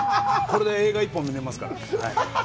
これで映画１本見られますから。